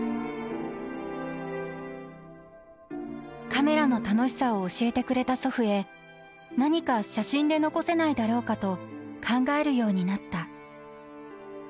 「カメラの楽しさを教えてくれた祖父へ何か写真で残せないだろうかと考えるようになった」